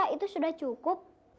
itu sudah cukup